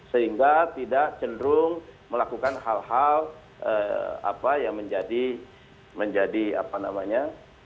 sehingga tidak cenderung melakukan hal hal apa yang menjadi menjadi apa namanya